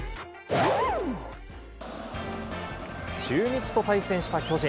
中日と対戦した巨人。